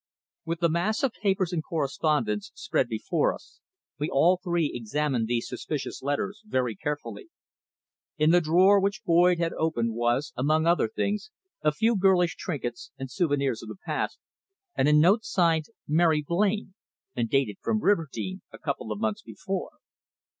With the mass of papers and correspondence spread before us we all three examined these suspicious letters very carefully. In the drawer which Boyd had opened was, among other things, a few girlish trinkets and souvenirs of the past, and a note signed "Mary Blain," and dated from Riverdene a couple of months before.